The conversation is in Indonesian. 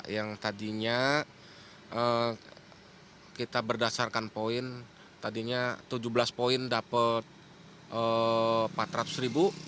yang tadinya kita berdasarkan poin tadinya tujuh belas poin dapat empat ratus ribu